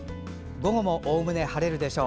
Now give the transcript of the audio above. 午後もおおむね晴れるでしょう。